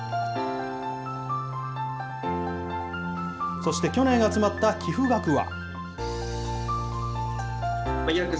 そして去年集まった寄付額は？